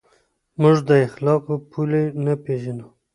موږ د اخلاقو پولې نه پېژنو.